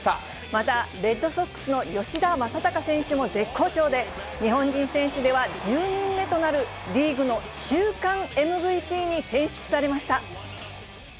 また、レッドソックスの吉田正尚選手も絶好調で、日本人選手では１０人目となる、リーグの週間ＭＶＰに選出されました。